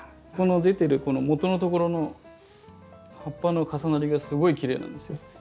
この出てるこのもとのところの葉っぱの重なりがすごいきれいなんですよ。